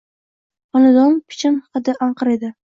Xonadan pichan hidi anqir edi.